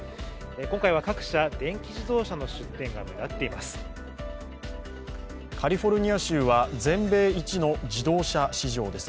今回は各社、電気自動車の出展が目立っています。